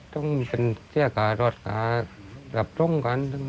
ต้องเป็นเจ้าขาดรถการหลับตรงกัน